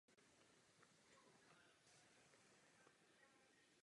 Ve zbytku jde vždy o směnu.